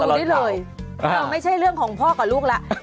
คุณผู้ชมไปดูนี้เลยไม่ใช่เรื่องของพ่อกับลูกละ